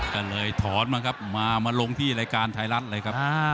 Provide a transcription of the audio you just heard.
ก็เลยถอนมาครับมาลงที่รายการไทยรัฐเลยครับ